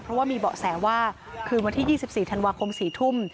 เพราะว่ามีเบาะแสว่าคืนวันที่๒๔ธันวาคม๔ทุ่ม